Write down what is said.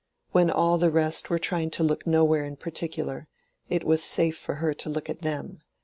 When all the rest were trying to look nowhere in particular, it was safe for her to look at them.